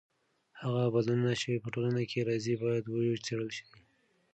هغه بدلونونه چې په ټولنه کې راځي باید وڅېړل سي.